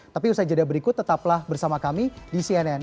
tapi usai jadwal berikut tetaplah bersama kami di cnn